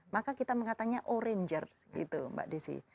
maka kita mengatakannya oranger gitu mbak desy